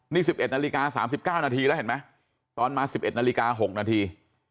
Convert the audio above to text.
นี่สิบเอ็ดนาฬิกาสามสิบเก้านาทีแล้วเห็นไหมตอนมาสิบเอ็ดนาฬิกาหกนาที